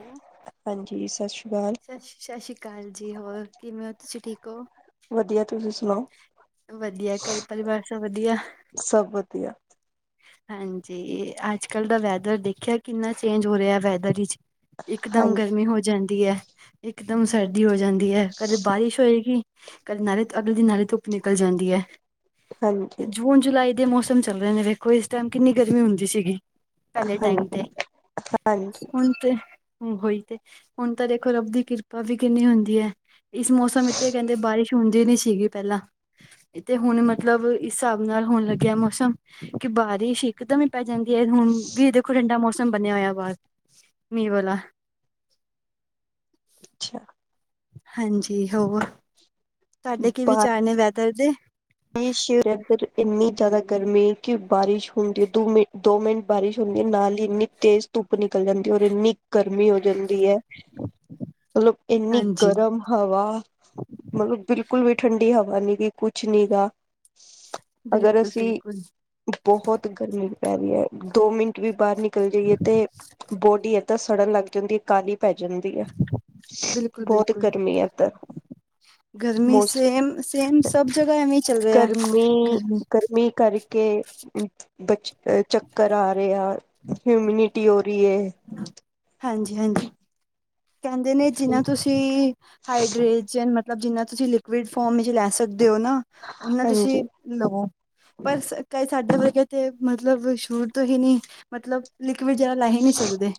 ਉਹ ਹਾਂਜੀ, ਸ਼ਸ਼੍ਰੀਕਾਲ ਸ਼ਸੀਕਾਲ ਜੀ, ਹੋਰ ਕਿਵੇਂ ਓ ਤੁਸੀਂ ਠੀਕ ਓ? ਵਧੀਆ ਤੁਸੀਂ ਸਣਾਓ? ਵਧੀਆ ਘਰ ਪਰਿਵਾਰ ਸਭ ਵਧੀਆ? ਸਭ ਵਧੀਆ। ਹਾਂਜੀ, ਅੱਜ -ਕੱਲ ਦਾ ਵੈਦਰ ਦੇਖਿਐ ਕਿੰਨਾ ਚੇਂਜ ਹੋ ਰਿਐ ਵੈਦਰ ਵਿਚ? ਇਕ ਹਾਂ ਦਮ ਗਰਮੀ ਹੋ ਜਾਂਦੀ ਐ, ਇਕ ਦਮ ਸਰਦੀ ਹੋ ਜਾਂਦੀ ਐ, ਕਦੇ ਬਾਰਿਸ਼ ਹੋਏਗੀ ਕਦੇ ਨਾਲੇ ਧ ਅਗਲੇ ਦਿਨ ਨਾਲੇ ਧੁੱਪ ਨਿਕਲ ਜਾਂਦੀ ਐ, ਹਾਂਜੀ ਜੂਨ ਜੁਲਾਈ ਦੇ ਮੋਸਮ ਚੱਲ ਰਏ ਨੇ ਵੇਖੋ ਇਸ ਟਾਈਮ ਕਿੰਨੀ ਗਰਮੀ ਹੁੰਦੀ ਸੀਗੀ। ਪੈਲੇ ਹਾਂ ਟਾਈਮ ਤੇ, ਹਾਂਜੀ ਹੁਣ ਤੇ ਓਹੀ ਤੇ ਹੁਣ ਤਾਂ ਦੇਖੋ ਰੱਬ ਦੀ ਕਿਰਪਾ ਵੀ ਕਿੰਨੀ ਹੁੰਦੀ ਐ, ਇਸ ਮੌਸਮ ਇਤੇ ਕੇਂਦੇ ਬਾਰਿਸ਼ ਹੁੰਦੀ ਨੀ ਸੀਗੀ ਪੇਲਾਂ, ਤੇ ਹੁਣ ਮਤਲਬ ਇਸਸਾਬ ਹੋਣ ਲੱਗੇਐ ਮੌਸਮ ਕਿ ਬਾਰਿਸ਼ ਇੱਕਦਮੇ ਈ ਪੈ ਜਾਂਦੀ ਐ, ਹੁਣ ਵੀ ਦੇਖੋ ਠੰਡਾ ਮੌਸਮ ਬਣੇਆ ਹੋਏਆ ਬਾਰ ਮੀਂਅ ਵਾਲਾ। ਅੱਛਾ। ਹਾਂਜੀ ਹੋਰ, ਤਾਡੇ ਕੀ ਵਿਚਾਰ ਨੇ ਵੈਦਰ ਦੇ? ਹਜੇ ਸ਼ੁਰੂ ਐ। ਮਤਲਬ ਇੰਨੀ ਜ਼ਾਦਾ ਗਰਮੀ ਕਿ ਬਾਰਿਸ਼ ਹੁੰਦੀ ਏ ਦੂ ਮਿੰ ਦੋ ਮਿੰਟ ਬਾਰਿਸ਼ ਹੁੰਦੀ ਏ ਨਾਲੀ ਇੰਨੀ ਤੇਜ਼ ਧੁੱਪ ਨਿਕਲ ਜਾਂਦੀ ਔਰ ਇੰਨੀ ਗਰਮੀ ਹੋ ਜਾਂਦੀ ਐ, ਮਲਵ ਏਂਨੀ ਹਾਂਜੀ ਗਰਮ ਹਵਾ, ਮਲਵ ਬਿਲਕੁਲ ਵੀ ਠੰਡੀ ਹਵਾ ਨੀ ਗੀ ਕੁਛ ਨੀਗਾ, ਅਗਰ ਬਿਲਕੁਲ ਅਸੀਂ ਬਿਲਕੁਲ ਬੋਹਤ ਗਰਮੀ ਪੈ ਰੀਐ ਦੋ ਮਿੰਟ ਵੀ ਬਾਅਰ ਨਿਕਲ ਜਾਈਏ ਤੇ ਬੋਡੀ ਤਾਂ ਸੜਨ ਲੱਗ ਜਾਂਦੀ ਐ, ਕਾਲੀ ਪੈ ਜਾਂਦੀ ਐ, ਸ਼ਸ ਬਿਲਕੁਲ ਬੌਤ ਬਿਲਕੁਲ ਗਰਮੀ ਐ ਏਧਰ। ਗਰਮੀ ਸੇਮ-ਸੇਮ ਸਭ ਜਗ੍ਹਾ ਐਵੇਂਈ ਚੱਲ ਰਿਐ, ਗਰਮੀ ਮੀਂ ਕਰ ਕੇ ਬਚ ਚੱਕਰ ਆ ਰੇਆ, ਹਿਊਮਿਨਿਟੀ ਹੋ ਰੀਏ ਹਾਂਜੀ- ਹਾਂਜੀ। ਕੈਂਦੇ ਨੇ ਜਿੰਨਾ ਤੁਸੀਂ ਹਾਈਡ੍ਰੇਜਨ ਮਤ ਲਵ ਜਿੰਨਾ ਤੁਸੀਂ ਲਿਕੁਿਡ ਫੌਮ ਇਚ ਲੈ ਸਕਦੇਓ ਨਾ ਓਨਾ ਹਾਂਜੀ ਤੁਸੀਂ ਲਉ, ਪਰ ਸ ਕਈ ਸਾਡੇ ਵਰਗੇ ਤੇ ਮਤਲਬ ਸ਼ੁਰ ਤੋਂ ਹੀ ਨੀ ਮਤਲਬ ਲਿਕੁਇਡ ਜਿਆਦਾ ਲੈ ਹੀ ਨੀ ਸਕਦੇ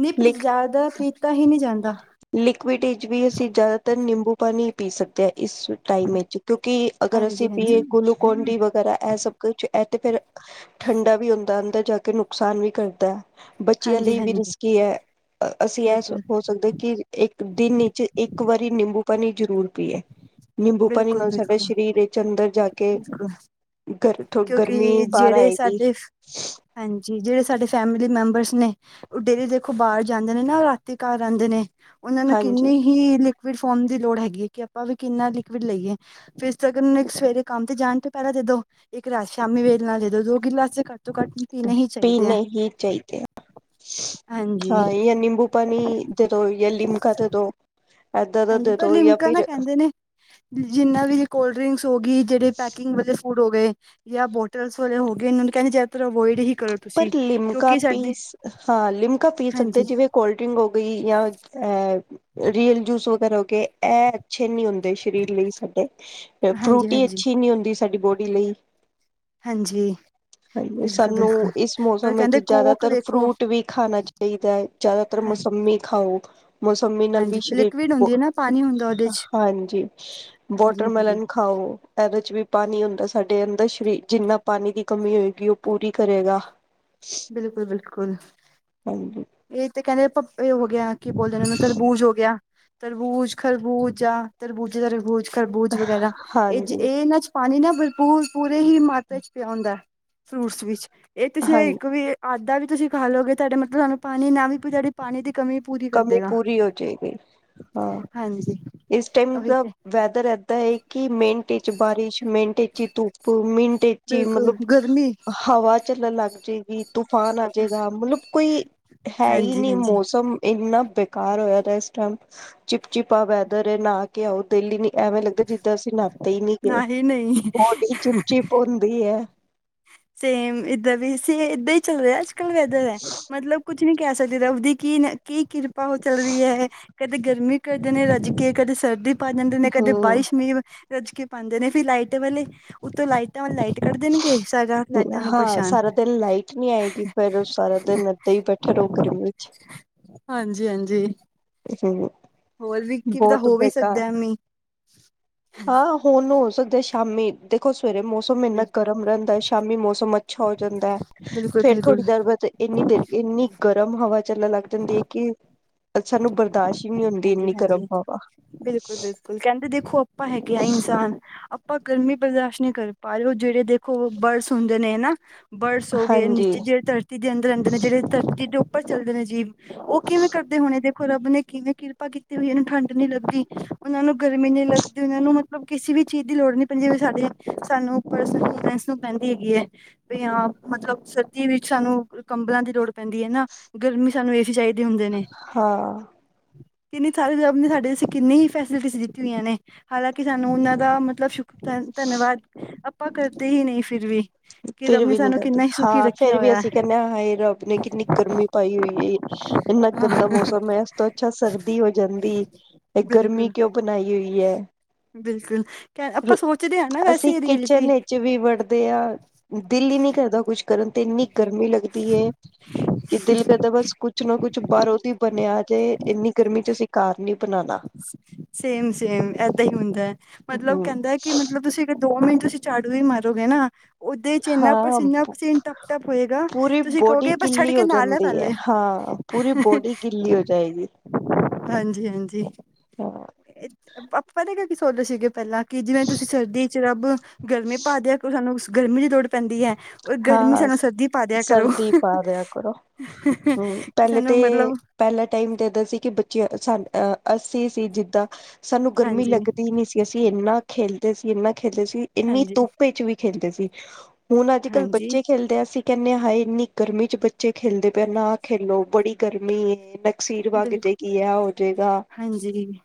ਨੀ ਪਰ ਜਾਂਦਾ ਪੀਤਾ ਹੀ ਨੀ ਜਾਂਦਾ। ਲਿਕੁਇਡ ਵਿੱਚ ਵੀ ਅਸੀਂ ਜ਼ਿਆਦਾਤਰ ਨਿੰਬੂ ਪਾਣੀ ਈ ਪੀ ਸਕਦੇ ਆ ਇਸ ਟਾਈਮ ਇਚ ਕਿਉਂਕਿ, ਅਗਰ ਹਾਂਜੀ ਅਸੀਂ ਪੀਏ ਹਾਂਜੀ ਗੁਲੂਕੋਨ ਡੀ ਵਗੈਰਾ ਐ ਸਭ ਕੁਛ ਐ ਤੇ ਫਿਰ ਠੰਡਾ ਵੀ ਹੁੰਦਾ, ਅੰਦਰ ਜਾ ਕੇ ਨੁਕਸਾਨ ਵੀ ਕਰਦਾ। ਬੱਚਿਆਂ ਹਾਂਜੀ ਲਈ ਵੀ ਹਾਂਜੀ ਰਿਸਕੀ ਐ ਅਸੀਂ ਐ ਬਿਲਕੁਲ ਸੋਚ ਸਕਦੇ ਕਿ ਇੱਕ ਦਿਨ ਇਚ ਇੱਕ ਵਾਰੀ ਨਿੰਬੂ ਪਾਣੀ ਜ਼ਰੂਰ ਪੀਏ ਨਿੰਬੂ ਪਾਣੀ ਬਿਲਕੁਲ ਨਾਲ ਸਾਡਾ ਬਿਲਕੁਲ ਸਰੀਰ ਇਚ ਅੰਦਰ ਜਾ ਕੇ ਬਿਲਕੁਲ ਗਰਥੋ ਗਰਮੀ ਕਿਉਂਕਿ ਬਾਅਰ ਜਿਹੜੇ ਆਏਗੀ ਸਾਡੇ ਹਾਂਜੀ ਜਿਹੜੇ ਸਾਡੇ ਫੈਮਿਲੀ ਮੈਂਬਰਸ ਨੇ ਡੇਲੀ ਦੇਖੋ ਬਾਹਰ ਜਾਂਦੇ ਨੇ ਨਾ ਰਾਤੀ ਘਰ ਆਉਂਦੇ ਨੇ ਉਹਨਾਂ ਨੂੰ ਹਾਂਜੀ ਕਿੰਨੇ ਹੀ ਲਿਕੁਿਡ ਫੋਮ ਦੀ ਲੋੜ ਹੈਗੀ ਹੈ ਕਿ ਆਪਾਂ ਵੀ ਕਿੰਨਾ ਲਿਕੁਿਡ ਲਈਏ। ਫਿਰ ਸੇ ਅਗਰ ਸਵੇਰੇ ਕੰਮ ਤੇ ਜਾਣ ਤੋਂ ਪਹਿਲਾਂ ਦੇ ਦੋ। ਇੱਕ ਰਾਤ ਸ਼ਾਮੀ ਵੇਲੇ ਨਾਲੇ ਦੋ-ਦੋ ਗਿਲਾਸ ਘੱਟ ਤੋਂ ਘੱਟ ਪੀਣੇ ਹੀ ਪੀ ਚਾਹੀਦੇ ਹੈ ਨਹੀਂ ਚਾਹੀਦੇ। ਹਾਂਜੀ, ਹਾਂ ਜਾਂ ਨਿੰਬੂ ਪਾਣੀ ਦੇ ਦੋ ਜਾਂ ਲਿਮਕਾ ਦੇ ਦੋ। ਇਦਾਂ ਦਾ ਹਾਂਜੀ ਦੇ ਪਰ ਦੋ ਜਾਂ ਲਿਮਕਾ ਨਾ ਫਿਰ ਕਹਿੰਦੇ ਨੇ ਜਿੰਨਾ ਵੀ ਕੋਲਡਰਿੰਸ ਹੋ ਗਈ ਜਿਹੜੇ ਪੈਕਿੰਗ ਵਾਲੇ ਫੂਡ ਹੋ ਗਏ। ਜਾਂ ਬੋਟਲਸ ਵਗੈਰਾ ਹੋ ਗਏ ਇਹਨਾਂ ਕਹਿ ਜ਼ਿਆਦਾਤਰ ਅਵਾਈਡ ਹੀ ਕਰ। ਪਰ ਲਿਮਕਾ ਪੀਸ ਹਾਂ ਲਿਮਕਾ ਪੀ ਸਕਦੇ ਹਾਂਜੀ, ਜਿਵੇਂ ਕੋਲਡ ਹੋ ਗਈ ਜਾਂ ਐ ਰੀਅਲ ਜੂਸ ਵਗੈਰਾ ਹੋ ਗਏ ਐ ਅੱਛੇ ਨਹੀਂ ਹੁੰਦੇ ਸਰੀਰ ਲਈ ਸਾਡੇ ਹਾਂਜੀ, ਫਰੂਟੀ ਹਾਂਜੀ, ਅੱਛੀ ਨਹੀਂ ਹੁੰਦੀ ਸਾਡੀ ਬੋਡੀ ਲਈ। ਹਾਂਜੀ ਹਾਂਜੀ ਬਿਲਕੁਲ ਸਾਨੂੰ ਬਿਲਕੁਲ। ਇਸ ਪਰ ਮੌਸਮ ਵਿੱਚ ਕਹਿੰਦੇ ਕੋਕ ਜ਼ਿਆਦਾਤਰ ਵੇਖੋ ਫਰੂਟ ਵੀ ਖਾਣਾ ਚਾਹੀਦਾ ਹੈ ਜ਼ਿਆਦਾਤਰ ਹਾਂ ਮੁਸੰਮੀ ਖਾਓ। ਮੌਸੰਮੀ ਨਾਲ ਹਾਂਜੀ ਵਿਸ਼ ਲਿਕੁਿਡ ਕ ਹੁੰਦੀ ਹੈ ਨਾ ਪਾਣੀ ਹੁੰਦਾ ਉਹਦੇ ਚ ਹਾਂਜੀ ਹਾਂਜੀ, ਹਾਂਜੀ ਵੋਟਰਮੈਲਨ ਖਾਓ ਇਹਦੇ ਚ ਵੀ ਪਾਣੀ ਹੁੰਦਾ ਸਾਡੇ ਅੰਦਰ ਸਰੀਰ ਜਿੰਨਾ ਪਾਣੀ ਦੀ ਕਮੀ ਹੋਏਗੀ ਉਹ ਪੂਰੀ ਕਰੇਗਾ। ਬਿਲਕੁਲ ਬਿਲਕੁਲ ਹਾਂਜੀ ਇਹ ਤੇ ਕਹਿੰਦੇ ਪੱਪੇ ਹੋ ਗਿਆ। ਕੀ ਬੋਲਦੇ ਨੇ ਰਹਿੰਦੇ ਤਰਬੂਜ ਹੋ ਗਿਆ ਤਰਬੂਜ, ਖਰਬੂਜਾ, ਤਰਬੂਜੇ ਤਰਬੂਜ ਖਰਬੂਜ ਵਗੈਰਾ ਇਹ ਹਾਂਜੀ ਇਹ ਇਹਨਾਂ ਚ ਪਾਣੀ ਨਾ ਬਰਪੂਰ ਪੂਰੇ ਹੀ ਮਾਤਰਾ ਚ ਪਿਆ ਹੁੰਦਾ ਹੈ। ਫਰੂਟਸ ਵਿੱਚ ਇਹ ਤੁਸੀਂ ਹਾਂਜੀ ਇੱਕ ਵੀ ਆਧਾ ਵੀ ਤੁਸੀਂ ਖਾ ਲਓਗੇ ਤੁਹਾਡੇ ਮਤਲਬ ਤੁਹਾਨੂੰ ਪਾਣੀ ਨਾ ਵੀ ਪੀਏ ਤੁਹਾਡੀ ਪਾਣੀ ਦੀ ਕਮੀ ਪੂਰੀ ਕਰ ਕਮੀ ਦੇਗਾ ਪੂਰੀ ਹੋ ਜਾਏਗੀ ਹਾਂ ਹਾਂਜੀ ਇਸ ਟਾਈਮ ਉਹੀ ਦਾ ਤੇ ਵੈਦਰ ਇਦਾਂ ਹੈ ਕਿ ਮਿੰਟ 'ਚ ਬਾਰਿਸ਼ ਮਿੰਟ 'ਚ ਧੁੱਪ ਮਿੰ ਮਿੰਟ ਇਚ ਬਿਲਕੁਲ ਮਤਲਬ ਗਰਮੀ ਹਵਾ ਚੱਲਣ ਲੱਗ ਜਾਏਗੀ ਤੂਫਾਨ ਆਜੇਗਾ ਮਤਲਬ ਕੋਈ ਹੈ ਹਾਂਜੀ ਨਹੀਂ ਹਾਂਜੀ ਮੌਸਮ ਇੰਨਾ ਬੇਕਾਰ ਹੋਇਆ ਇਸ ਟਾਈਮ ਚਿਪਚਿਪਾ ਆ ਵੈਦਰ ਨਹਾ ਕੇ ਆਓ ਦਿਲ ਨੀ ਐਵੇਂ ਲੱਗਦਾ ਜਿੱਦਾਂ ਅਸੀਂ ਨਾਤੇ ਹੀ ਨਹੀਂ ਗਏ ਨਾ ਹੀ ਨਹੀਂ ਬੋਰਡੀ ਚਿਪ-ਚਿਪ ਹੁੰਦੀ ਹੈ। ਸੇਮ ਇਦਾਂ ਦਾ ਸੇ ਇਦਾਂ ਹੀ ਚੱਲ ਰਿਹਾ ਅੱਜ ਕੱਲ ਵੈਦਰ ਹੈ ਮਤਲਬ ਕੁੱ ਕੁਛ ਨੀ ਕਹਿ ਸਕਦੇ ਰੱਬ ਦੀ ਕੀ ਕੀ ਕਿਰਪਾ ਉਹ ਚੱਲ ਰਹੀ ਹੈ। ਕਦੇ ਗਰਮੀ ਕਰਦੇ ਨੇ ਰੱਜ ਕੇ ਕਦੇ ਸਰਦੀ ਪਾ ਜਾਂਦੇ ਨੇ ਕਦੇ ਹੂੰ। ਬਾਰਿਸ਼ ਵੀ ਰੱਜ ਕੇ ਪਾਉਂਦੇ ਨੇ ਫਿਰ ਲਾਈਟ ਵਾਲੇ ਉੱਤੋਂ ਲਾਈਟਾਂ ਲਾਈਟ ਕੱਟ ਦੇਣਗੇ ਸਾਰਾ ਲਾਈਟਾਂ ਨੂੰ ਹਾਂ ਪਰੇਸ਼ਾਨ ਸਾਰਾ ਦਿਨ ਲਾਈਟ ਨੀ ਆਏਗੀ ਫਿਰ ਸਾਰਾ ਦਿਨ ਇੱਧਾਂ ਹੀ ਬੈਠੇ ਰਹੋ ਗਰਮੀ ਵਿੱਚ। ਹਾਂਜੀ ਹਾਂਜੀ ਹੂੰ,,, ਹੋਰ ਵੀ ਕੀ ਪਤਾ ਬਹੁਤ ਹੋ ਵੀ ਬੇਕਾਰ। ਸਕਦਾ ਮੀਂਹ ਹਾਂ ਹੁਣ ਹੋ ਸਕਦਾ ਸ਼ਾਮੀ ਦੇਖੋ ਸਵੇਰੇ ਮੌਸਮ ਇੰਨਾ ਗਰਮ ਰਹਿੰਦਾ ਸ਼ਾਮੀ ਮੌਸਮ ਅੱਛਾ ਹੋ ਜਾਂਦਾ ਐ ਫਿਰ ਥੋੜੀ ਬਿਲਕੁਲ-ਬਿਲਕੁਲ ਦੇਰ ਬਾਅਦ ਇੰਨੀ ਦੇਰ ਇੰਨੀ ਗਰਮ ਹਵਾ ਚੱਲਣ ਲੱਗ ਜਾਂਦੀ ਐ ਕਿ, ਸਾਨੂੰ ਬਰਦਾਸ ਹੀ ਨਈ ਹੁੰਦੀ ਇੰਨੀ ਹਾਂਜੀ-ਹਾਂਜੀ ਗਰਮ ਹਵਾ ਬਿਲਕੁਲ ਬਿਲਕੁਲ ਕਹਿੰਦੇ ਦੇਖੋ ਆਪਾਂ ਹੈਗੇ ਆ ਇਨਸਾਨ ਆਪਾਂ ਗਰਮੀ ਬਰਦਾਸ ਨਹੀਂ ਪਾ ਰਹੇ ਉਹ ਜਿਹੜੇ ਦੇਖੋ ਬਰਡਸ ਹੁੰਦੇ ਨੇ ਨਾ ਬਰਡਸ ਹੋ ਗਏ ਹਾਂਜੀ ਨੀਚੇ ਜਿਹੜੇ ਧਰਤੀ ਦੇ ਅੰਦਰ ਰਹਿੰਦੇ ਨੇ ਜਿਹੜੇ ਧਰਤੀ ਦੇ ਉੱਪਰ ਚੱਲਦੇ ਨੇ ਜੀਵ ਉਹ ਕਿਵੇਂ ਕਟਦੇ ਹੋਣੇ ਦੇਖੋ ਰੱਬ ਨੇ ਕਿਵੇਂ ਕਿਰਪਾ ਕੀਤੀ ਹੋਈ ਐ ਇਹਨੂੰ ਠੰਡ ਨੀ ਲੱਗੀ। ਉਹਨਾਂ ਨੂੰ ਗਰਮੀ ਨੀਂ ਲੱਗਦੀ ਉਨਾਂ ਨੂੰ ਮਤਲਬ ਕਿਸੇ ਵੀ ਚੀਜ਼ ਦੀ ਲੋੜ ਨੀਂ ਪੈਂਦੀ ਜਿਵੇਂ ਸਾਡੇ ਸਾਨੂੰ [unintelligible] ਪੈਂਦੀ ਹੈਗੀ ਐ ਵੀ ਹਾਂ ਮਤਲਬ ਸਰਦੀ ਵਿੱਚ ਸਾਨੂੰ ਕੰਬਲਾਂ ਦੀ ਲੋੜ ਪੈਂਦੀ ਆ ਨਾ ਗਰਮੀ ਸਾਨੂੰ ਏਸੀ ਚਾਹੀਦੇ ਹੁੰਦੇ ਨੇ। ਹਾਂ ਕਿੰਨੀ ਸਾਰੇ ਰੱਬ ਨੇ ਸਾਡੇ ਕਿੰਨੀ ਹੀ ਫੈਸਿਲਿਟੀਸ ਦਿੱਤੀ ਹੋਈਆਂ ਨੇ। ਹਾਲਾਂਕਿ ਸਾਨੂੰ ਉਨਾਂ ਦਾ ਮਤਲਬ ਸ਼ੁਕਰ ਧੰਨਵਾਦ ਆਪਾਂ ਕਰਦੇ ਹੀ ਨਈ ਫਿਰ ਵੀ। ਕਿ ਫਿਰ ਰੱਬ ਨੇ ਵੀ ਨੀ ਸਾਨੂੰ ਕਰਦਾ ਕਿੰਨਾ ਹੀ ਸੁਖੀ ਹਾਂ ਰੱਖਿਆ ਫੇਰ ਵੀ ਹੋਇਆ ਅਸੀਂ ਕਹਿਣੇ ਆ ਹਾਏ, ਰੱਬ ਨੇ ਕਿੰਨੀ ਗਰਮੀ ਪਾਈ ਹੋਈ ਏ। ਇੰਨਾ ਗੰਦਾ ਹਾਂ ਮੌਸਮ ਹੈ ਤੋਂ ਅੱਛਾ ਸਰਦੀ ਹੋ ਜਾਂਦੀ ਏਹ ਗਰਮੀ ਬਿਲਕੁਲ ਕਿਉਂ ਬਣਾਈ ਹੋਈ ਐ। ਬਿਲਕੁਲ ਕੇ ਆਪਾਂ ਸੋਚਦੇ ਆ ਨਾ ਅਸੀਂ ਵੈਸੇ ਰੀਅਲਟੀ ਕਿਚਨ ਵਿੱਚ ਵੀ ਵੱਢਦੇ ਆ, ਦਿਲ ਈ ਨੀ ਕਰਦਾ ਕੁਛ ਕਰਨ ਤੇ ਇੰਨੀ ਗਰਮੀ ਲੱਗਦੀ ਐ। ਕਿ ਦਿਲ ਕਰਦਾ ਬਸ ਕੁਛ ਨਾ ਕੁਛ ਬਾਹਰੋਂ ਦੀ ਬਣਿਆ ਆ ਜੇ ਇੰਨੀ ਗਰਮੀ ਚ ਅਸੀ ਘਾਰ ਨੀ ਬਣਾਣਾ। ਸੇਮ-ਸੇਮ ਏਦਾਂ ਹੀ ਹੁੰਦਾ ਮਤਲਬ ਹਮ ਕਹਿੰਦਾ ਕਿ ਮਤਲਬ ਤੁਸੀਂ ਦੋ ਮਿੰਟ ਤੁਸੀਂ ਝਾੜੂ ਵੀ ਮਾਰੋਗੇ ਨਾ ਓਦੇ ਚ ਇਨਾ ਹਾਂ ਪਸੀਨਾ ਪਸੀਨ ਟੱਪ ਟੱਪ ਹੋਏਗਾ ਪੂਰੀ ਤੁਸੀਂ ਬੋਡੀ ਕਹੋਗੇ ਬਸ ਛੱਡ ਗਿੱਲੀ ਕੇ ਹੋ ਨਹਲਾ ਲੈ ਜਾਂਦੀ ਹੈ ਪਹਿਲੇ ਹਾਂ ਪੂਰੀ ਬੋਡੀ ਗਿੱਲੀ ਹੋ ਜਾਏਗੀ। ਹਾਂਜੀ-ਹਾਂਜੀ ਹਾਂ ਆਪਾ ਪਤਾ ਕੀ ਸੋਚਦੇ ਸੀਗੇ ਪਹਿਲਾਂ ਕਿ ਜਿਵੇਂ ਤੁਸੀਂ ਸਰਦੀ ਚ ਰੱਬ ਗਰਮੀ ਪਾਦਿਆ ਕਰੋ ਸਾਨੂੰ ਗਰਮੀ ਦੀ ਲੋੜ ਪੈਂਦੀ ਐ ਓ ਗਰਮੀ ਹਾਂ ਸਾਨੂੰ ਸਰਦੀ ਪਾ ਦਿਆ ਕਰੋ। ਸਰਦੀ ਪਾ ਦਿਆ ਕਰੋ ਹਮ ਕਿ ਪਹਿਲੇ ਸਾਨੂੰ ਤੇ ਮਤਲਬ ਪਹਿਲਾ ਟਾਈਮ ਤਾਂ ਏਦਾਂ ਸੀ ਕਿ ਬੱਚੇ ਸ ਅ ਅਸੀ ਸੀ ਜਿੱਦਾਂ ਸਾਨੂੰ ਗਰਮੀ ਹਾਂਜੀ ਲੱਗਦੀ ਨੀਂ ਸੀ। ਅਸੀਂ ਇੰਨਾ ਖੇਲਦੇ ਸੀ ਇਨਾ ਖੇਲਦੇ ਸੀ ਇੰਨੀ ਹਾਂਜੀ ਧੁੱਪ ਚ ਵੀ ਖੇਲਦੇ ਸੀ ਹੁਣ ਅੱ ਜ ਕੱਲ੍ਹ ਹਾਂਜੀ ਬੱਚੇ ਖੇਲਦੀਆ ਅਸੀ ਕਹਿੰਦੇ ਹਾਏ ਇੰਨੀ ਗਰਮੀ ਚ ਬੱਚੇ ਖੇਲਦੇ ਪਏ ਆ ਨਾ ਖੇਲੋ ਬੜੀ ਗਰਮੀ ਏ ਨਕਸੀਰ ਵਗ ਬਿਲਕੁਲ, ਜਾਏਗੀ ਆ ਹੋ ਜਾਏਗਾ ਹਾਂਜੀ,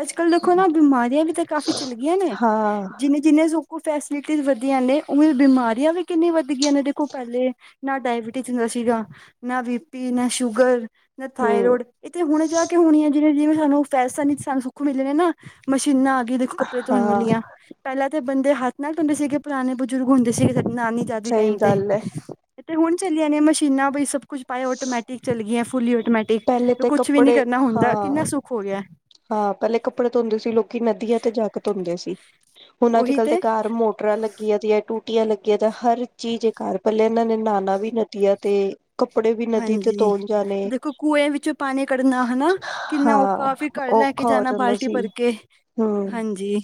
ਅੱਜ-ਕੱਲ੍ਹ ਦੇਖੋ ਨਾ ਬਿਮਾਰੀਆਂ ਵੀ ਤੇ ਕਾਫੀ ਚੱਲ ਗਈਆਂ ਨੇ ਹਾਂ ਜਿੰਨੇ-ਜਿੰਨੇ ਸ ਫੈਸਿਲਿਟੀਜ਼ ਵਧੀਆ ਨੇ ਉਵੇਂ ਬਿਮਾਰੀਆਂ ਵੀ ਕਿੰਨੀਆਂ ਵੱਧ ਗਈਆਂ ਨੇ ਦੇਖੋ ਪਹਿਲੇ ਨਾ ਡਾਇਬਿਟੀਜ਼ ਹੁੰਦਾ ਸੀਗਾ, ਨਾ ਬੀ ਪੀ ਨਾ ਸ਼ੂਗਰ। ਨਾ ਹਮ ਥਾਈਰੋਡ ਏਹ ਤੇ ਹੁਣ ਜਾ ਕੇ ਹੋਣੀ ਆ ਜਿਵੇਂ ਜਿਵੇਂ ਸਾਨੂੰ ਫੈਸਨ ਵਿਚ ਸਾਨੂੰ ਸੁੱਖ ਮਿਲਰੇ ਨਾ ਮਸ਼ੀਨਾਂ ਆ ਗਈ ਦੇਖੋ ਕੱਪੜੇ ਧੋਣ ਹਾਂ ਵਾਲੀਆ ਪਹਿਲਾਂ ਤਾਂ ਬੰਦੇ ਹੱਥ ਨਾਲ ਧੋਦੇ ਸੀਗੇ ਪੁਰਾਣੇ ਬਜ਼ੁਰਗ ਹੁੰਦੇ ਸੀਗੇ ਸਾਡੇ ਨਾਨੀ ਦਾਦੀ ਟਾਈਮ ਸਹੀ ਤੇ ਗੱਲ ਹੈ ਤੇ ਹੁਣ ਚੱਲੀਆਂ ਨੇ ਮਸ਼ੀਨਾਂ ਬਈ ਸਭ ਕੁਛ ਪਏ ਔਟੋਮੈਟਿਕ ਚੱਲ ਗਈਆਂ ਫੁੱਲੀ ਪਹਿਲੇ ਟੋਮੈਟਿਕ ਤੇ ਕੁਛ ਵੀ ਨੀ ਕੱਪੜੇ ਕਰਨਾ ਹੁੰਦਾ ਕਿੰਨਾ ਹਾਂ ਸੁੱਖ ਹੋ ਗਿਆ। ਹਾਂ ਪਹਿਲੇ ਕੱਪੜੇ ਧੋਂਦੇ ਸੀ ਲੋਕੀਂ ਨਦੀਆਂ ਤੇ ਜਾ ਕੇ ਧੋਂਦੇ ਸੀ ਹੁਣ ਅੱਜ ਉਹੀ ਕੱਲ੍ਹ ਦੇ ਤੇ ਘਰ ਮੋ ਟਰਾ ਲੱਗੀਆਂ ਦੀਆਂ ਟੂਟੀਆਂ ਲੱਗੀਆਂ ਤੇ ਹਰ ਚੀਜ਼ ਇਹ ਘਰ ਪਹਿਲੇ ਇਹਨਾਂ ਨੇ ਨਾਣਾ ਵੀ ਨਦੀਆਂ ਤੇ ਕੱਪੜੇ ਵੀ ਨਦੀ ਤੇ ਹਾਂਜੀ ਧੋਣ ਜਾਣੇ ਦੇਖੋ ਖੂਏ ਵਿੱਚੋਂ ਪਾਣੀ ਕੱਢਨਾ ਹਨਾ ਕਿੰਨਾ ਹਾਂ ਔਖਾ ਫਿ ਘਰ ਲੈ ਕੇ ਔਖਾ ਹੋ ਜਾਣਾ ਜਾਂਦਾ ਬਾਲਟੀ ਸੀ ਭਰ ਕੇ। ਹਮ ਹਾਂਜੀ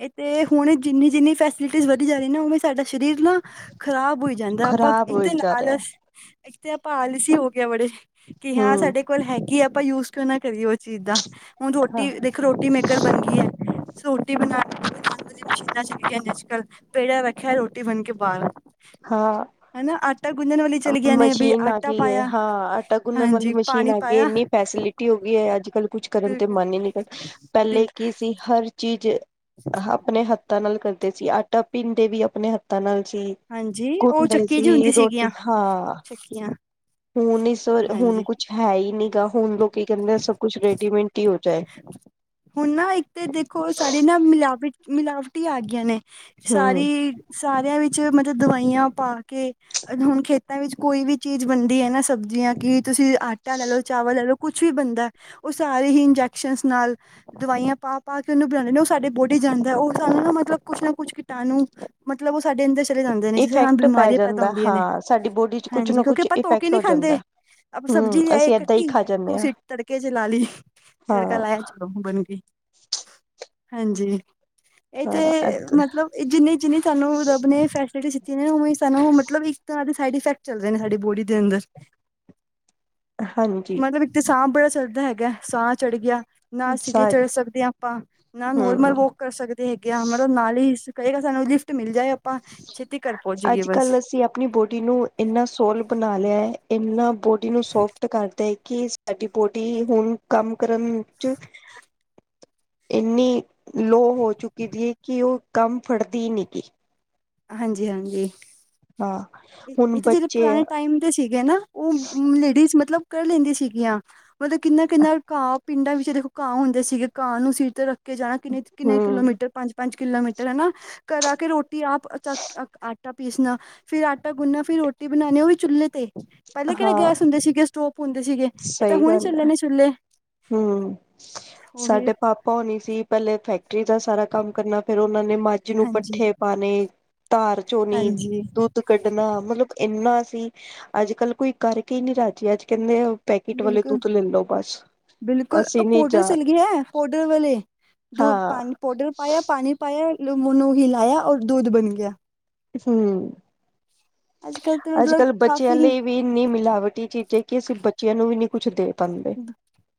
ਇਹ ਤੇ ਹੁਣ ਜਿੰਨੀ ਜਿੰਨੀ ਫੈਸਿਲਿਟੀਜ਼ ਵਧੀ ਜਾ ਰਈ ਨਾ ਉਮੇ ਸਾਡਾ ਸਰੀਰ ਨਾ ਖ਼ਰਾਬ ਹੋਈ ਜਾਂਦਾ ਆਪਾਂ ਖ਼ਰਾਬ ਇੱਕ ਹੋਈ ਦਿਨ ਜਾ ਰਿਹਾ ਆਲਸ ਤੇ ਆਪਾਂ ਆਲਸੀ ਹੋ ਗਿਆ ਬੜੇ ਕਿ ਹਾਂ ਹਮ ਸਾਡੇ ਕੋਲ ਹੈਗੀ ਆ ਆਪਾਂ ਯੂਜ ਕਿਉਂ ਨਾ ਕਰੀਏ ਉਹ ਚੀਜ਼ ਦਾ ਹੁਣ ਹਾਂ ਰੋਟੀ ਦੇਖੋ ਰੋਟੀ ਮੇਕਰ ਬਣ ਗਈ ਰੋਟੀ ਬਣਾਣ ਬਸ ਮਸ਼ੀਨਾਂ ਚ ਅੱਜਕੱਲ ਪੇੜਿਆ ਰੱਖਿਆ ਰੋਟੀ ਬਣ ਕੇ ਬਾਹਰ ਆ ਹਾਂ ਹਨਾ ਆਟਾ ਗੁੰਜਣ ਵਾਲੀ ਚਲੀ ਗਈ ਨੇ ਵੀ ਨਾ ਆਟਾ ਕੀ ਹੈ ਪਾਇਆ ਹਾਂ ਆਟਾ ਗੁੰਨਣ ਹਾਂਜੀ ਮਸ਼ੀਨ ਪਾਣੀ ਗਈ ਹੈ ਪਾਇਆ ਇੰਨੀ ਫੈਸਿਲਿਟੀ ਹੋ ਗਈ ਹੈ ਅੱਜ ਕੱਲ੍ਹ ਕੁਛ ਕਰਨ ਤੇ ਬਿਲਕੁਲ ਮਨ ਨੀ ਪੈ ਪਹਿਲੇ ਕੀ ਸੀ ਹਰ ਚੀਜ਼ ਆ ਆਪਣੇ ਹੱਥਾਂ ਨਾਲ ਕਰਦੇ ਸੀ ਆਟਾ ਪੀਂਦੇ ਵੀ ਆਪਣੇ ਹੱਥਾਂ ਨਾਲ ਸੀ। ਹਾਂਜੀ ਘੁੰਦੇ ਸੀ ਰੋਟੀ ਹਾਂ ਸ਼ਕੀਿਆ ਹੁਣ ਇਸ ਵਾਰੀ ਹੁਣ ਕੁਛ ਹੈ ਹੀ ਨੀ ਗਾ ਹੁਣ ਲੋਕ ਕੀ ਕਹਿੰਦੇ ਸਭ ਕੁਛ ਰੈਡੀਮੇਟ ਹੀ ਹੋ ਜਾਏ। ਹੁਣ ਨਾ ਇੱਕ ਤੇ ਦੇਖੋ ਸਾਰੀ ਨਾ ਮਿਲਾਵਟੀ ਮਿਲਾਵਟ ਆ ਗਈਆਂ ਨੇ, ਹੂੰ ਸਾਰੀ ਸਾਰਿਆਂ ਵਿੱਚ ਮਤਲਬ ਦਵਾਈਆਂ ਪਾ ਕੇ ਹੁਣ ਖੇਤਾਂ ਵਿੱਚ ਕੋਈ ਵੀ ਚੀਜ਼ ਬਣਦੀ ਏ ਨਾ ਸਬਜ਼ੀਆਂ ਕਿ ਤੁਸੀਂ ਆਟਾ ਲੈ ਲਉ ਲੈ ਲੋ ਕੁਛ ਵੀ ਬੰਦਾ ਉਹ ਸਾਰੇ ਹੀ ਇੰਜੈਕਸ਼ਨ ਨਾਲ਼ ਦਵਾਈਆਂ ਪਾ ਪਾ ਕੇ ਉਹਨੂੰ ਬਣਾਂਦੇ ਨੇ ਉਹ ਸਾਡੇ ਬੋਡੀ ਜਾਂਦਾ ਉਹ ਸਾਨੂੰ ਨਾ ਮਤਲਬ ਕੁਛ ਨਾ ਕੁਛ ਕੀਟਾਣੂ ਮਤਲਬ ਉਹ ਸਾਡੇ ਅੰਦਰ ਚਲੇ ਜਾਂਦੇ ਨੇ ਜਿੱਥੇ ਹਾਂ ਇਫੈਕਟ ਪੈ ਬਿਮਾਰੀਆਂ ਪੈਦਾ ਜਾਂਦਾ ਹੁੰਦੀਆਂ ਨੇ ਹਾਂ ਸਾਡੀ ਬੋਡੀ ਚ ਕੁਛ ਹਾਂਜੀ ਨਾ ਕਿਉਂਕਿ ਕੁਛ ਆਪਾਂ ਧੋ ਕੇ ਥੋ ਕਿ ਇਫੈਕਟ ਨੀ ਹੋ ਖਾਂਦੇ ਜਾਂਦਾ। ਆਪਾਂ ਹੂੰ ਸਬਜ਼ੀ ਲਿਆਏ ਅਸੀਂ ਏਦਾਂ ਹੀ ਕੱਟੀ ਖਾ ਜਾਂਦੇ ਹਾਂ ਕੁਸੀ ਤੜਕੇ ਚ ਲਾ ਲੀ ਤੜਕਾ ਹਾਂ ਲਾਇਆ ਚ ਬਣ ਗ ਹਾਂਜੀ ਇਹ ਤੇ ਹਾਂ ਏਦਾਂ ਮਤਲਬ ਜਿੰਨੀ ਜਿੰਨੀ ਸਾਨੂੰ ਰੱਬ ਨੇਂ ਫੈਸਿਲਿਟੀ ਦੀਤ ਜਿਵੇਂ ਓਵੇਂ ਸਾਨੂੰ ਮਤਲਬ ਇੱਕ ਤਰ੍ਹਾਂ ਦੇ ਸਾਈਡ ਇਫੈਕਟ ਚੱਲਦੇ ਨੇ ਸਾਡੀ ਬੋਡੀ ਦੇ ਅੰਦਰ ਹਾਂਜੀ। ਮਤਲਬ ਇੱਕ ਤੇ ਸਾਹ ਬੜਾ ਚਰਦਾ ਹੈਗਾ ਸਾਹ ਚੜ੍ਹ ਗਿਆ ਨਾ ਸਿਟੀ ਚੜ੍ਹ ਸਕਦੇ ਆ ਆਪਾਂ ਨਾ ਨੋਰਮਲ ਹੂੰ ਵੋਕ ਕਰ ਸਕਦੇ ਹੈਗੇ ਆ ਮਤਲਬ ਨਾਲ਼ ਹੀ ਕਹੇਗਾ ਸਾਨੂੰ ਲਿਫ਼ਟ ਮਿਲ ਜਾਏ ਆਪਾਂ ਛੇਤੀ ਘਰ ਪਹੁੰਚ ਜਾਈਏ ਅੱਜ ਬਸ ਕੱਲ੍ਹ ਅਸੀਂ ਆਪਣੀ ਬੋਡੀ ਨੂੰ ਇੰਨਾ ਸੋਲ ਬਣਾ ਲਿਆ ਐ ਇੰਨਾ ਬੋਡੀ ਨੂੰ ਸੋਫਟ ਕਰਦਾ ਹੈ ਕਿ ਸਾਡੀ ਬੋਡੀ ਹਿ ਹੁਣ ਕੰਮ ਕਰਨ ਚ ਇੰਨੀ ਲੋ ਹੋ ਚੁੱਕੀ ਜੀ ਕਿ ਉਹ ਕੰਮ ਫੜਦੀ ਈ ਨੀ ਗੀ। ਹਾਂਜੀ ਹਾਂਜੀ ਹਾਂ ਹੁਣ ਇਕ ਤੇ ਜਿਹੜੇ ਬੱਚੇ ਪੁਰਾਣੇ ਟਾਈਮ ਦੇ ਸੀਗੇ ਨਾ ਉਹ ਲੇਡੀਜ਼ ਮਤਲਬ ਕਰ ਲੈਂਦੀਆਂ ਸੀਗੀਆਂ ਮਤਲਬ ਕਿੰਨਾ ਕਿੰਨਾ ਘਾਹ ਪਿੰਡਾਂ ਵਿੱਚ ਦੇਖੋ ਘਾਹ ਹੁੰਦੇ ਸੀਗੇ ਘਾਹ ਨੂੰ ਸਿਰ ਤੇ ਰੱਖ ਕੇ ਜਾਣਾ ਕਿੰਨੇ ਕਿੰਨੇ ਹੂੰ ਕਿਲੋਮੀਟਰ ਪੰਜ ਪੰਜ ਕਿਲੋਮੀਟਰ ਹਨਾ ਘਰ ਆ ਕੇ ਰੋਟੀ ਆਪ ਚ ਆਟਾ ਪੀਸਣਾ ਫਿਰ ਆਟਾ ਗੁੰਨਣਾ ਫਿਰ ਰੋਟੀ ਬਣਾ ਨੀ ਉਹ ਵੀ ਚੁੱਲ੍ਹੇ ਤੇ। ਪਹਿਲੇ ਕਿਹੜੇ ਹਾਂ ਗੈਸ ਹੁੰਦੇ ਸੀਗੇ ਸਟੋਵ ਹੁੰਦੇ ਸੀਗੇ ਇਹ ਤਾਂ ਹੁਣ ਚੱਲੇ ਨੇ ਚੁੱਲੇ ਹਮ ਉਹੀ ਸਾਡੇ ਪਾਪਾ ਹੋਣੀ ਸੀ ਪਹਿਲੇ ਫੈਕਟਰੀ ਦਾ ਸਾਰਾ ਕੰਮ ਕਰਨਾ ਫੇਰ ਉਹਨਾਂ ਨੇ ਮੱਝ ਨੂੰ ਹਾਂਜੀ ਪੱਠੇ ਪਾਣੇ ਧਾਰ ਝੋਣੀ ਹਾਂਜੀ ਦੁੱਧ ਦੁੱਧ ਕੱਢਣਾ ਮਤਲਬ ਇੰਨਾ ਸੀ ਅੱਜ ਕੱਲ੍ਹ ਕੋਈ ਕਰਕੇ ਈ ਨੀ ਰਾਜੀ ਅੱਜ ਕਹਿੰਦੇ ਆ ਪੈਕਟ ਵਾਲੇ ਬਿਲਕੁਲ ਦੁੱਧ ਲੈ ਲਓ ਬਸ। ਬਿਲਕੁਲ ਉਹ ਅਸੀਂ ਨੀ ਪਾਊਡਰ ਜਾ ਚੱਲ ਗਿਆ ਹੈ ਪਾਊਡਰ ਵਾਲੇ ਦੋ ਹਾਂ ਪਾ ਪਾਊਡਰ ਪਾਇਆ ਪਾਣੀ ਪਾਇਆ ਲੂ ਮੋਨੂੰ ਹਲਾਇਆ ਔਰ ਦੁੱਧ ਬਣ ਗਿਆ। ਹਮ ਅੱਜ ਕੱਲ ਤਾਂ ਅੱਜ ਮਤਲਬ ਕੱਲ੍ਹ ਬੱਚਿਆਂ ਕਾਫੀ ਹੀ ਲਈ ਵੀ ਇੰਨੀ ਮਿਲਾਵਟੀ ਚੀਜ਼ ਹੈ ਕਿ ਅਸੀਂ ਬੱਚਿਆਂ ਨੂੰ ਵੀ ਨਹੀਂ ਕੁਛ ਦੇ। ਪਾਉਂਦੇ।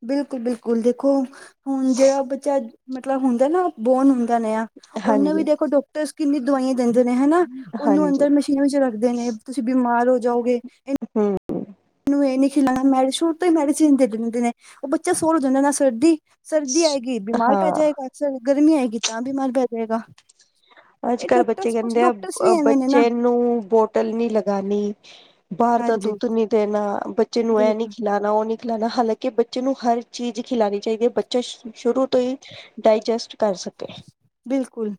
ਬਿਲਕੁਲ- ਬਿਲਕੁਲ ਦੇਖੋ ਹੁਣ ਜਿਹੜਾ ਬੱਚਾ ਮਤਲਬ ਹੁੰਦਾ ਨਾ ਬੋਨ ਹੁੰਦਾ ਨਾ ਉਹਨੂੰ ਹਾਂਜੀ, ਵੀ ਦੇਖੋ ਡਾਕਟਰਸ ਕਿੰਨੀ ਦਵਾਈਆਂ ਦਿੰਦੇ ਨੇ ਹਨਾ ਉਹਨੂੰ ਹਾਂਜੀ ਅੰਦਰ ਮਸ਼ੀਨਾਂ ਵਿੱਚ ਰੱਖਦੇ ਨੇ। ਤੁਸੀਂ ਬਿਮਾਰ ਹੋ ਜਾਓਗੇ, ਇਨ ਹੂੰ। ਨੂੰ ਇਹ ਨੀ ਖੀ ਲਾਣਾ ਨਾਲੇ ਛੋਟੇ ਮੈਡਿਸੀਜ ਦੇ ਦੇਂਦੈ ਨੇ ਉਹ ਬੱਚਾ ਸੋਹ ਜਾਂਦਾ ਨਾ, ਸਰਦੀ ਸਰਦੀ ਆਏਗੀ ਬਿਮਾਰ ਪੈ ਹਾਂ ਜਾਏਗਾ, ਗਰਮੀ ਆਏਗੀ ਤਾਂ ਬਿਮਾਰ ਪੈ ਜਾਏਗਾ। ਅੱਜ ਇਹ ਕੱਲ ਬੱਚੇ ਡਾਕਟਰਸ ਕੁਛ ਕਹਿੰਦੇ ਆ, ਡਾਕਟਰਸ ਵੀ ਐਵੇਂ ਨੇ ਨਾ ਬੱਚੇ ਨੂੰ ਬੋਟਲ ਨੀ ਲਗਾਣੀ। ਬਾਹਰ ਦਾ ਹਾਂਜੀ ਦੁੱਧ ਨੀ ਦੇਣਾ, ਬੱਚੇ ਨੂੰ ਇਹ ਨੀ ਬਿਲਕੁਲ ਖਿਲਾ ਨਾ ਉਹ ਨਹੀਂ ਖਿਲਾਣਾ ਹਾਲਾਂਕਿ ਬੱਚੇ ਨੂੰ ਹਰ ਚੀਜ਼ ਖਿਲਾਣੀ ਚਾਹੀਦੀ ਹੈ ਬੱਚਾ ਸ਼ੁਰੂ ਤੋਂ ਈ ਡਾਇਜਸਟ ਕਰ ਸਕ ਬਿਲਕੁਲ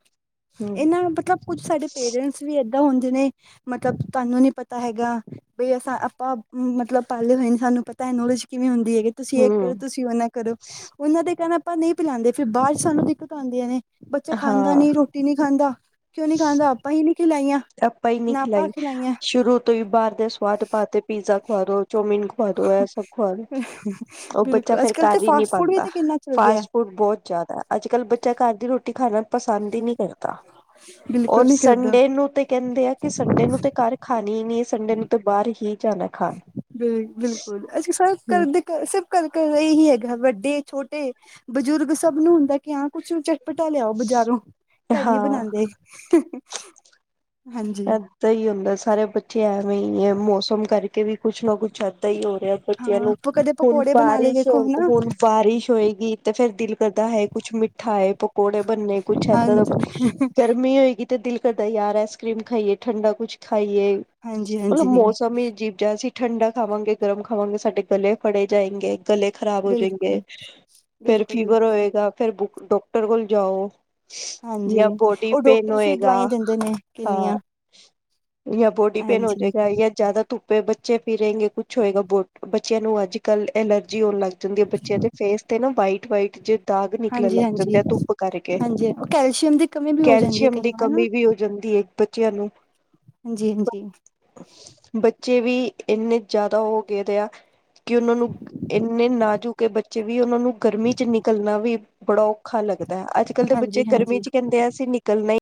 ਇਹਨਾਂ ਮਤਲਬ ਕੁੱਝ ਸਾਡੇ ਪੇਰੈਂਟਸ ਵੀ ਇ- ਦਾ ਹੁੰਦੇ ਨੇ ਮਤਬ ਤੁਹਾਨੂੰ ਨੀ ਪਤਾ ਹੈਗਾ। ਬਈ ਅਸਾਂ ਆਪਾਂ ਮਤਲਬ ਪਹਿਲੇ ਨਹੀਂ ਸਾਨੂੰ ਪਤਾ ਏ ਨੋਲੈਜ। ਕਿਵੇਂ ਹੁੰਦੀ ਹੈਗੀ ਤੁਸੀਂ ਇਹ ਕਰੋ ਹੂੰ ਤੁਸੀਂ ਉਹ ਨਾਂ ਕਰੋ, ਉਹਨਾਂ ਦੇ ਕਹਿਣਾ ਆਪਾਂ ਨਹੀਂ ਪਿਲਾਂਦੇ ਫੇਰ ਬਾਅਦ ਚ ਸਾਨੂੰ ਦਿੱਕ- ਤਾਂ ਹੋਂਦੀਆਂ ਨੇ ਬੱਚਾ ਖਾਂਦਾ ਹਾਂ ਨੀ ਰੋਟੀ ਨੀ ਖਾਂਦਾ, ਕਿਉਂ ਨੀ ਖਾਂਦਾ ਆਪਾਂ ਹੀ ਨੀ ਖਿਲਾਈਆਂ। ਆਪਾਂ ਹੀ ਨੀ ਨਾ ਆਪਾਂ ਖਿਲਾਈ, ਖਿਲਾਈਆਂ ਸ਼ੁਰੂ ਤੋਂ ਹੀ ਬਾਹਰ ਦੇ ਸਵਾਦ ਪਾਤੇ ਪੀਜ਼ਾ ਖਵਾ ਦੋ ਚੋਮਿਨ ਖਵਾ ਦੋ ਏ ਸਭ ਖਵਾ ਦੋ, ਉਹ ਬੱਚਾ ਬਿਲਕੁਲ ਅੱਜ ਫੇਰ ਕੱਲ੍ਹ ਤੇ ਕਰ ਈ ਨੀ ਫਾਸਟ ਫੂਡ ਵੀ ਪਾਂਦਾ ਤਾਂ ਕਿੰਨਾ ਚੱਲ ਗਿਆ ਫਾਸਟ ਫੂਡ ਬੋਤ ਜਾਦਾ ਅੱਜ-ਕੱਲ ਬੱਚਾ ਘਰ ਦੀ ਰੋਟੀ ਖਾਣਾ ਪਸੰਦ ਈ ਨਹੀਂ ਕਰਦਾ, ਔਰ ਬਿਲਕੁਲ ਨੀ ਕਰਦਾ ਸੰਡੇ ਨੂੰ ਤੇ ਕਹਿੰਦੇ ਆ ਕਿ ਸੰਡੇ ਨੂੰ ਤੇ ਘਰ ਖਾਣੀ ਹੀ ਨਹੀ‌। ਸੰਡੇ ਨੂੰ ਤਾਂ ਬਾਹਰ ਹੀ ਜਾਣਾ ਖਾਣ। ਜੀ ਬਿਲਕੁਲ ਅਸੀਂ ਸਾਰੇ ਘਰ ਦੇ ਸਭ ਘਰ-ਘਰ ਏਹੀ ਹੈਗਾ। ਵੱਡੇ-ਛੋਟੇ ਬਜ਼ੁਰਗ ਸਭ ਨੂੰ ਹੁੰਦਾ, ਕਿ ਹਾਂ ਕੁਛ ਚਟ- ਪਟਾ ਲਿਆਓ ਬਜ਼ਾਰੋਂ, ਘਰ ਨੀ ਹਾਂ ਬਣਾਂਦੇ ਹਾਂਜੀ। ਐਦਾ ਹੀ ਹੁੰਦਾ ਸਾਰੇ ਬੱਚੇ ਐਵੇਂ ਹੀ ਐ। ਮੌਸਮ ਕਰਕੇ ਵੀ ਕੁਛ ਨਾ ਕੁੱਛ ਐ ਹੀ ਹੋ ਰਿਹਾ ਬੱਚਿਆਂ ਨੂੰ ਹਾਂ ਕਦੇ ਹੁਣ ਪਕੌੜੇ ਬਣਾ ਲਏ ਬਾਰਿਸ਼ ਵੇਖੋ ਹਨਾ -ਹੁਣ ਬਾਰਿਸ਼ ਹੋਏਗੀ ਤੇ ਫੇਰ ਦਿਲ ਕਰਦਾ ਹੈ, ਕੁੱਛ ਮਿੱਠਾ ਆਏ ਪ- ਪਕੌੜੇ ਬਣਨੇ ਕੁੱਛ ਏਦਾਂ ਦਾ ਹਾਂਜੀ ਕੁੱ ਗਰਮੀ ਹੋਏਗੀ। ਤੇ ਦਿਲ ਕਰਦਾ ਯਾਰ ਐਸਕਰ੍ਰੀਮ ਖਾਈਏ ਠੰਡਾ ਕੁਛ ਖਾਈਏ। ਹਾਂਜੀ ਮਤਲਬ ਹਾਂਜੀ ਮੌਸਮ ਹੀ ਜੀ ਜਾਂ ਅਸੀਂ ਠੰਡਾ ਖਾਵਾਂਗੇ, ਗਰਮ ਖਾਵਾਂਗੇ ਸਾਡੇ ਗਲੇ ਫੜੇ ਜਾਏਗੇ। ਗਲੇ ਖ਼ਰਾਬ ਹੋਜੇਗੇ, ਬਿਲਕੁਲ ਫੇਰ ਬਿਲਕੁਲ ਫੀਵਰ ਬਿਲਕੁਲ ਹੋਏਗਾ ਫੇਰ ਡੌਕਟਰ ਕੋਲ ਜਾਓ। ਹਾਂਜੀ ਜਾਂ ਬੋਡੀ ਉਹ ਪੇਨ ਡਾਕਟਰ ਫਿਰ ਹੋਏਗਾ। ਦਵਾਈਆਂ ਦਿੰਦੇ ਨੇ ਕਿੰਨੀਆਂ ਹਾਂ, ਜਾਂ ਬੋਡੀ ਪੇਨ ਹੋ ਜੇ ਹਾਂਜੀ ਗਾ ਜਾਂ ਜ਼ਿਆਦਾ ਤੁ ਬੱਚੇ ਫੀਰੇ ਗੇ ਕੁਛ ਹੋਏਗਾ ਬੋਟ, ਬੱਚਿਆਂ ਨੂੰ ਅੱਜ ਕੱਲ ਐਲਰਜੀ ਹੋਣ ਲੱਗ ਜਾਂਦੀ ਏ ਬੱਚਿਆਂ ਤੇ ਫੇਸ ਤੇ ਨਾ ਵਾਈਟ-ਵਾਈਟ ਜੇ ਦਾਗ ਨਿਕਲਣ ਹਾਂਜੀ ਲੱਗ ਜਾਂਦੇ ਹਾਂਜੀ ਆ ਧੁੱਪ ਕਰਕੇ, ਹਾਂਜੀ ਉਹ ਕੈਲਸ਼ੀਅਮ ਦੀ ਕਮੀ ਵੀ ਹੋ ਜਾਂਦੀ ਹੈ ਕੈਲਸ਼ੀਅਮ ਕਈ ਦੀ ਵਾਰ ਨਾ ਕਮੀ ਵੀ ਹੋ ਜਾਂਦੀ ਏ। ਬੱਚਿਆਂ ਨੂੰ। ਹਾਂਜੀ-ਹਾਂਜੀ। ਬੱਚੇ ਵੀ ਇੰਨੇ ਜਾਦਾ ਹੋ ਗਏ ਦੇ ਆ ਕਿ ਉਹਨਾਂ ਨੂੰ, ਇੰਨੇ ਨਾਜੂਕ ਏ ਬੱਚੇ ਵੀ ਉਹਨਾਂ ਨੂੰ ਗਰਮੀ ਚ ਨਿਕਲਣਾ ਵੀ ਬੜਾ ਔਖਾ ਲੱਗਦਾ। ਅੱਜ ਕੱਲ ਦੇ ਬੱਚੇ ਹਾਂਜੀ ਗਰਮੀ ਹਾਂਜੀ ਚ ਕਹਿੰਦੇ ਆ ਅਸੀਂ ਨਿਕਲਣਾ ਹੀ ਨਹੀਂ।